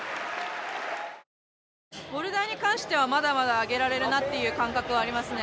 ボルダーに関してはまだまだ上げられるなっていう感覚はありますね。